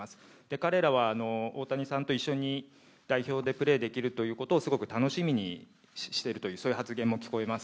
彼らは大谷さんと一緒に代表でプレーできることをすごく楽しみにしているというそういう発言も聞こえます。